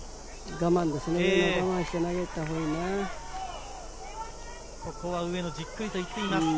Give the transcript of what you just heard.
我慢して投げたほうがいいですね。